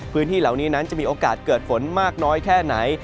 พื้นที่เหล่านี้นั้นจะมีโอกาสเกิดฝนมากน้อยแค่ไหน